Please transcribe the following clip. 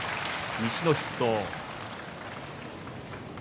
西の筆頭。